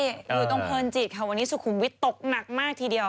อยู่ตรงเพลินจิตค่ะวันนี้สุขุมวิทย์ตกหนักมากทีเดียว